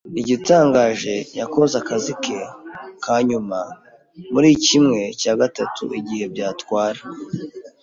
Igitangaje, yakoze akazi ke ka nyuma muri kimwe cya gatatu igihe byantwara.